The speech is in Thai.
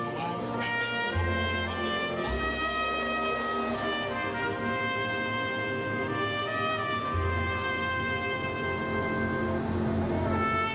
โรงพยาบาลวิทยาศาสตรี